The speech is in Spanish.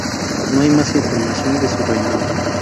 No hay más información de su reinado.